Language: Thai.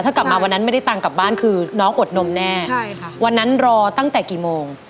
ถ้ากลับมาวันนั้นไม่ได้ตังค์กลับบ้านคือน้องอดนมแน่ใช่ค่ะวันนั้นรอตั้งแต่กี่โมง